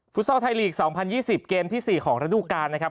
ซอลไทยลีก๒๐๒๐เกมที่๔ของระดูการนะครับ